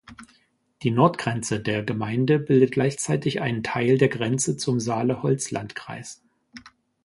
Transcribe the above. Die Nordgrenze der Gemeinde bildet gleichzeitig einen Teil der Grenze zum Saale-Holzland-Kreis.